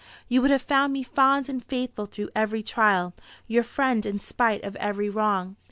You would have found me fond and faithful through every trial, your friend in spite of every wrong."